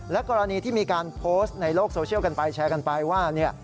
กรณีที่มีการโพสต์ในโลกโซเชียลกันไปแชร์กันไปว่า